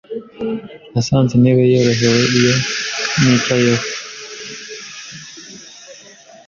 Nasanze intebe yorohewe iyo nicayeho.